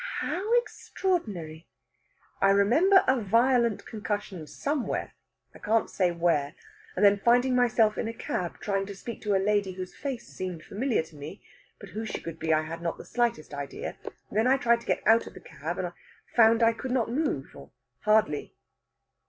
"How extraordinary!" "I remember a violent concussion somewhere I can't say where and then finding myself in a cab, trying to speak to a lady whose face seemed familiar to me, but who she could be I had not the slightest idea. Then I tried to get out of the cab, and found I could not move or hardly."